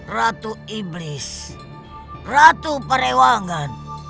ratu iblis ratu perewangan